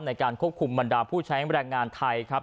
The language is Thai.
ในการควบคุมบรรดาผู้ใช้แรงงานไทยครับ